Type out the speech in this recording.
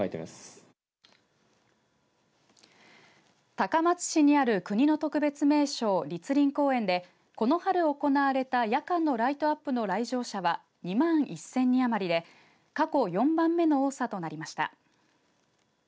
高松市にある国の特別名勝栗林公園で、この春行われた夜間のライトアップの来場者は２万１０００人余りで過去４番目の多さとなりました。